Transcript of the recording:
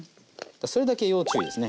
それだけ要注意ですね。